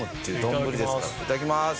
いただきます。